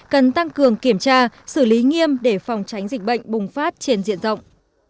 cần tăng cường kiểm tra xử lý nghiêm để phòng tránh dịch bệnh bùng phát trên diện rộng